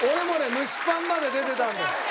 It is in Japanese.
蒸しパンまで出てたんだよ。